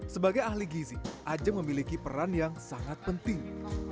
sebagai ahli gz ajam memiliki peran yang sangat penting